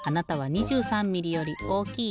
２６ミリより大きい？